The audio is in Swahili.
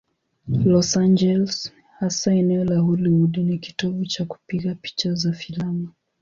Los Angeles, hasa eneo la Hollywood, ni kitovu cha kupiga picha za filamu.